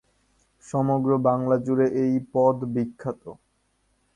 সমগ্র বাংলা জুড়ে এই পদ বিখ্যাত।